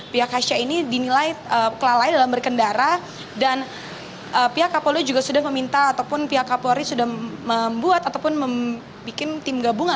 pihak hasyah ini dinilai kelalai dalam berkendara dan pihak kapolri juga sudah meminta ataupun pihak kapolri sudah membuat ataupun membuat tim gabungan